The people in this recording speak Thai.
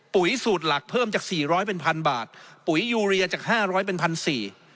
ปุ๋ยสูตรหลักเพิ่มจาก๔๐๐เป็นพันบาทปุ๋ยยูเรียจาก๕๐๐เป็นพันสี่